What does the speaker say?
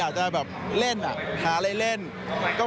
ออกน้ำไปแล้วพี่มีเลยค่ะ